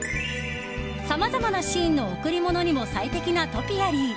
さまざまなシーンの贈り物にも最適なトピアリー。